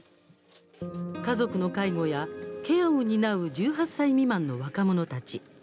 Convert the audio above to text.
家族の介護やケアを担う１８歳未満の若者たち。